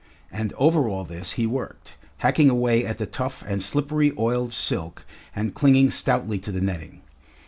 And over all this he worked, hacking away at the tough and slippery oiled silk and clinging stoutly to the netting.